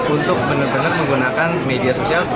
untuk benar benar menggunakan media sosial